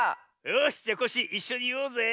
よしじゃコッシーいっしょにいおうぜ。